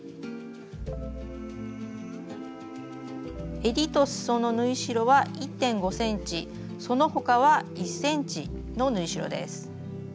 えりとすその縫い代は１．５ｃｍその他は１ｃｍの縫い代です。